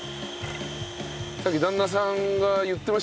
さっき旦那さんが言ってましたよ。